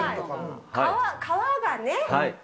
皮がね。